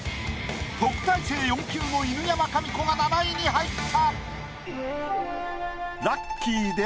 特待生４級の犬山紙子が７位に入った。